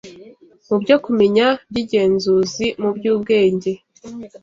mu byo kumenya, b’ingenzuzi mu by’ubwenge